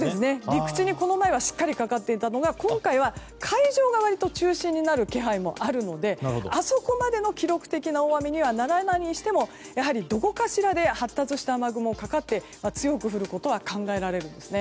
陸地に、この前はしっかりかかっていたのが今回は海上側が中心になる気配もあるのであそこまでの記録的な大雨にはならないにしてもやはりどこかしらで発達した雨雲がかかって強く降ることは考えられます。